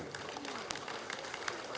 wassalamualaikum warahmatullahi wabarakatuh